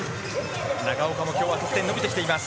長岡も得点が伸びてきています。